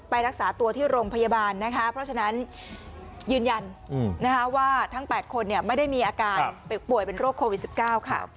รักษาตัวที่โรงพยาบาลนะคะเพราะฉะนั้นยืนยันว่าทั้ง๘คนไม่ได้มีอาการป่วยเป็นโรคโควิด๑๙ค่ะ